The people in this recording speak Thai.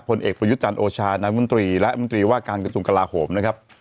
ผลเอกประยุทธ์จันทร์โอชานายมนตรีและมนตรีว่าการกระทรวงกลาโหมนะครับ